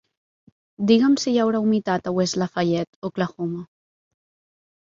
Digue'm si hi haurà humitat a West Lafayette (Oklahoma).